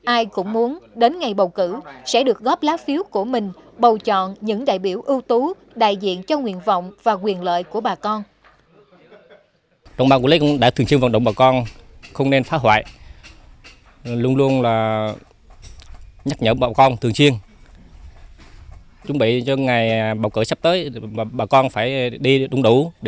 ai cũng muốn đến ngày bầu cử sẽ được góp lá phiếu của mình bầu chọn những đại biểu ưu tú đại diện cho nguyện vọng và quyền lợi của bà con